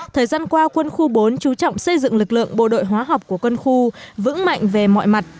thời gian qua quân khu bốn chú trọng xây dựng lực lượng bộ đội hóa học của quân khu vững mạnh về mọi mặt